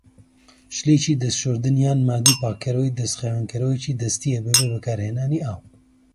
شلەیەکی دەست شۆردن یان مادەی پاکەرەوەی دەست خاوێنکەرەوەیەکی دەستیە بەبێ بەکارهێنانی ئاو.